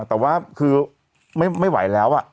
แต่ว่าคือไม่ไหวแล้ว